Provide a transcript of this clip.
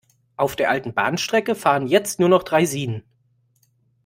Auf der alten Bahnstrecke fahren jetzt nur noch Draisinen.